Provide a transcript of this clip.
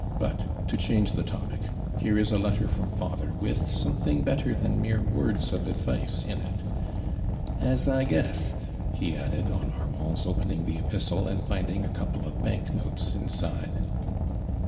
But to change the topic — here is a letter from father with something better than mere vvords of advice in it. A* I guessed !'" he adae(^ on Armand's open ing the epistle and Ending a couple of bank notes inside.